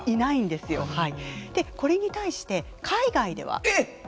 でこれに対して海外では。えっ！？